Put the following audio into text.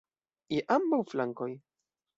Je ambaŭ flankoj!